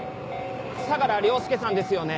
相良凌介さんですよね？